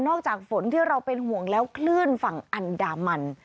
จากฝนที่เราเป็นห่วงแล้วคลื่นฝั่งอันดามัน